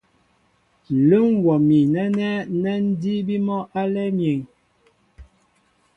Ǹlə́ ḿ wɔ mi nɛ́nɛ́ nɛ́ ńdííbí mɔ́ álɛ́ɛ́ myēŋ.